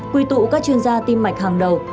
quy tụ các chuyên gia tim mạch hàng đầu